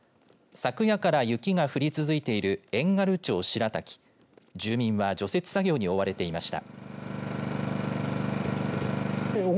昨夜から雪が降り続いている遠軽町白滝住民は除雪作業に追われていました。